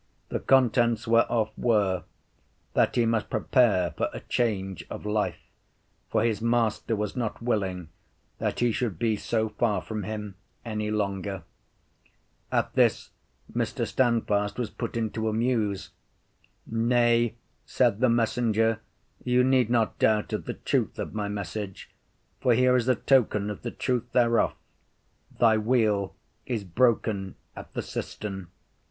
The contents whereof were, that he must prepare for a change of life, for his Master was not willing that he should be so far from him any longer. At this Mr. Stand fast was put into a muse. Nay, said the messenger, you need not doubt of the truth of my message, for here is a token of the truth thereof, "Thy wheel is broken at the cistern."